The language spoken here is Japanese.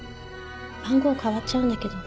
番号変わっちゃうんだけど。